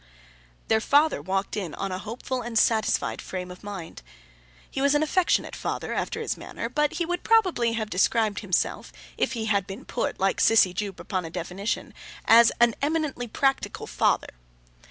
Their father walked on in a hopeful and satisfied frame of mind. He was an affectionate father, after his manner; but he would probably have described himself (if he had been put, like Sissy Jupe, upon a definition) as 'an eminently practical' father.